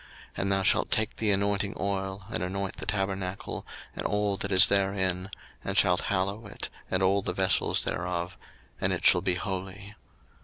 02:040:009 And thou shalt take the anointing oil, and anoint the tabernacle, and all that is therein, and shalt hallow it, and all the vessels thereof: and it shall be holy.